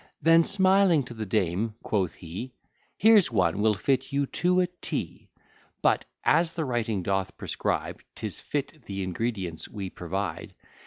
Then, smiling, to the dame quoth he, Here's one will fit you to a T. But, as the writing doth prescribe, 'Tis fit the ingredients we provide.